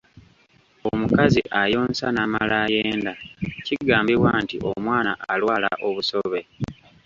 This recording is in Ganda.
Omukazi ayonsa n’amala ayenda kigambibwa nti omwana alwala Obusobe.